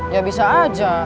ya bisa aja